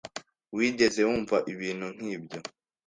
Wigeze wumva ibintu nkibyo?